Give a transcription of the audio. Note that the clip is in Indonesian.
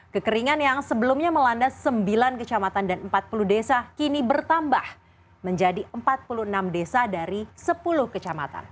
kekeringan yang sebelumnya melanda sembilan kecamatan dan empat puluh desa kini bertambah menjadi empat puluh enam desa dari sepuluh kecamatan